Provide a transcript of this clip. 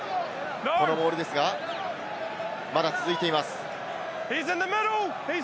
このモールですが、まだ続いています。